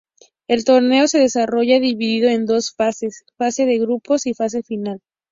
El torneo se desarrolla dividido en dos fases: Fase de grupos y Fase final.